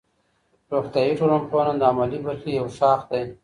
روغتیایی ټولنپوهنه د عملي برخې یو ښاخ دی.